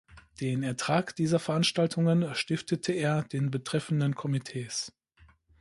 Den Ertrag dieser Veranstaltungen stiftete er den betreffenden Komitees.